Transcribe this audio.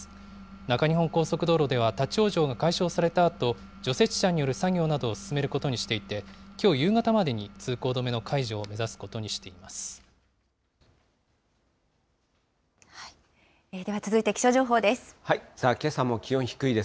中日本高速道路では立往生が解消されたあと、除雪車による作業などを進めることにしていて、きょう夕方までに通行止めの解除を目では続いて、気象情報です。